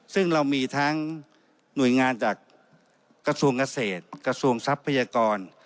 ซึ่งเรามีทั้งหน่วยงานจากกระทรวงเกษตรกระทรวงทรัพยากร